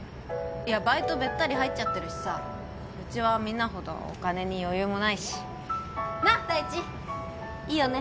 いやバイトべったり入っちゃってるしさうちはみんなほどお金に余裕もないしなっ大地いいよね